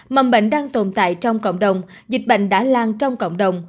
mầm bệnh đang tồn tại trong cộng đồng dịch bệnh đã lan trong cộng đồng